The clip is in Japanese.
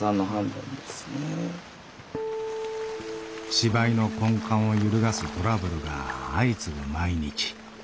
芝居の根幹を揺るがすトラブルが相次ぐ毎日。